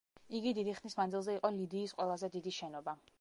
იგი დიდი ხნის მანძილზე იყო ლიდიის ყველაზე დიდი შენობა.